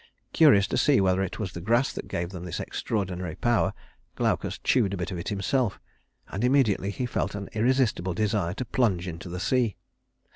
Curious to see whether it was the grass that gave them this extraordinary power, Glaucus chewed a bit of it himself, and immediately he felt an irresistible desire to plunge into the sea.